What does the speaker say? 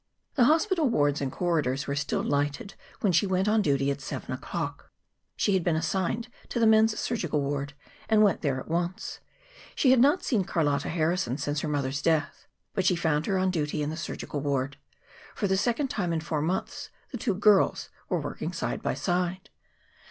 The hospital wards and corridors were still lighted when she went on duty at seven o'clock. She had been assigned to the men's surgical ward, and went there at once. She had not seen Carlotta Harrison since her mother's death; but she found her on duty in the surgical ward. For the second time in four months, the two girls were working side by side.